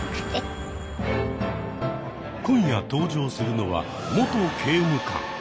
今夜登場するのは「元刑務官」。